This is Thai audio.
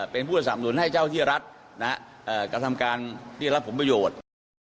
เป็นผู้สนับหนุนให้เจ้าที่รัฐกระทำการที่ได้รับผลประโยชน์